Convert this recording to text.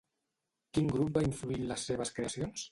Quin grup va influir en les seves creacions?